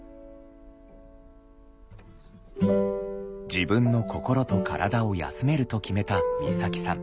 「自分の心と体を休める」と決めた光沙季さん。